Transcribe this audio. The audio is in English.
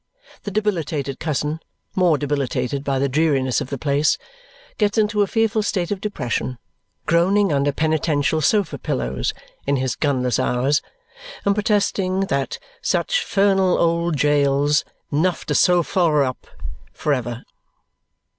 The debilitated cousin, more debilitated by the dreariness of the place, gets into a fearful state of depression, groaning under penitential sofa pillows in his gunless hours and protesting that such fernal old jail's nough t'sew fler up frever.